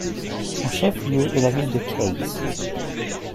Son chef-lieu est la ville de Kayes.